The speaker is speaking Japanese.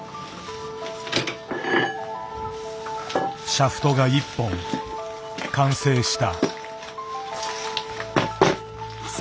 シャフトが１本完成した。